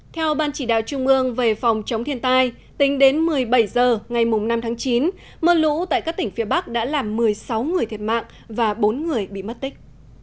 theo ban chỉ đạo trung ương về phòng chống thiên tai tính đến một mươi bảy h ngày năm tháng chín mưa lũ tại các tỉnh phía bắc đã làm một mươi sáu người thiệt mạng và bốn người bị mất tích